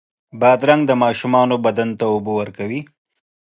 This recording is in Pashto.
بادرنګ د ماشومانو بدن ته اوبه ورکوي.